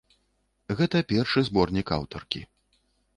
Гэта першы зборнік аўтаркі.